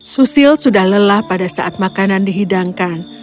susil sudah lelah pada saat makanan dihidangkan